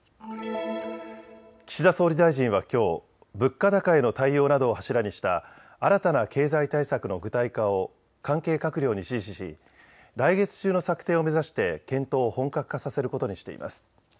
岸田総理大臣はきょう物価高への対応などを柱にした新たな経済対策の具体化を関係閣僚に指示し来月中の策定を目指して検討を本格化させることにしています。